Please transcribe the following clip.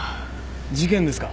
事件ですか？